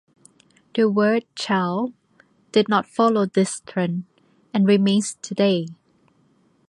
The word "shall" did not follow this trend, and remains today.